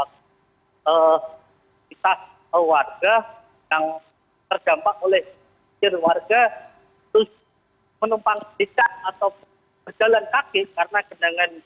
kita warga yang terdampak oleh warga menumpang sejak atau berjalan kaki karena kondisinya sudah menumpang